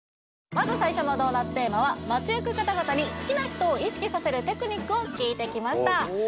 まず最初のドーナツテーマは街行く方々に好きな人を意識させるテクニックを聞いてきました